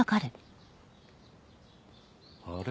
あれ？